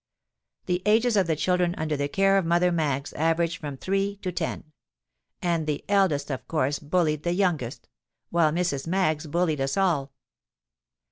"The ages of the children under the care of Mother Maggs averaged from three to ten; and the eldest of course bullied the youngest, while Mrs. Maggs bullied us all.